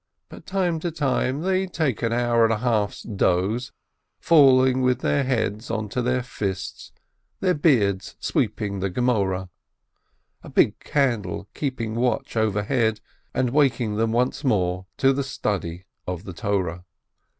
From time to time they take an hour and a half's doze, falling with their head onto their fists, their beards sweeping the Gemoreh, the big candle keeping watch overhead and waking them once more to the study of the Torah.